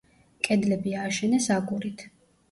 კედლები ააშენეს აგურით.